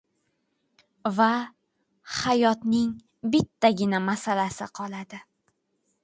va hayotning bittagina masalasi qoladi: